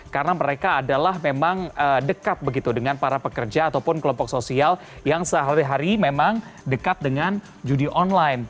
karena mereka adalah memang dekat begitu dengan para pekerja ataupun kelompok sosial yang sehari hari memang dekat dengan judi online